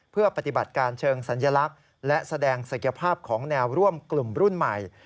เพื่อปฏิบัติการเชิงสัญลักษณ์และแสดงศักยภาพของแนวร่วมกลุ่มรุ่นใหม่